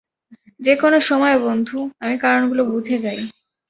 যেকোন সময় বন্ধু, আমি কারণগুলো বুঝে যাই।